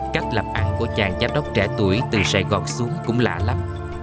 cách làm ăn của chàng cháp đốc trẻ tuổi từ sài gòn xuống cũng lạ lắm